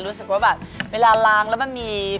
รู้สึกว่าแบบเวลาล้างแล้วมันมี